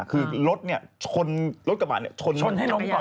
คือรถกระบาดชนให้ล้มก่อน